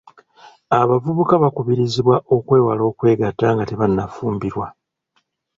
Abavubuka bakubirizibwa okwewala okwegatta nga tebannafumbirwa.